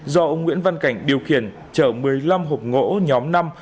do ông nguyễn văn cảnh điều khiển chở một mươi năm hộp gỗ nhóm năm